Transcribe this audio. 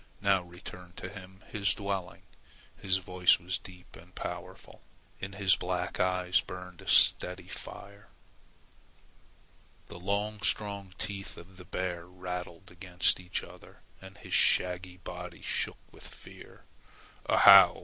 Now return to him his dwelling." His voice was deep and powerful. In his black eyes burned a steady fire. The long strong teeth of the bear rattled against each other, and his shaggy body shook with fear. "Ahow!"